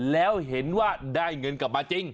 แล้วเห็นว่าได้เงินกลับมาจริง